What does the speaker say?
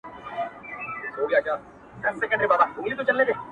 موږ د یوه بل د روح مخونه یو پر هره دنیا,